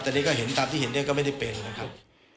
แต่นี่ก็เห็นตามที่เห็นเนี่ยก็ไม่ได้เป็นนะครับ